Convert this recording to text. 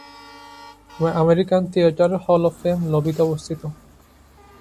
American theatre hall of fame লবিতে অবস্থিত।